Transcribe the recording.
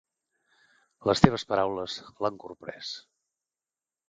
Les teves paraules l'han corprès.